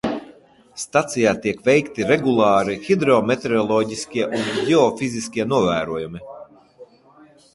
Stacijā tiek veikti regulāri hidrometeoroloģiskie un ģeofiziskie novērojumi.